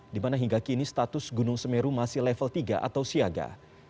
di mana hingga kini status gunung semeru masih level tiga atau siaga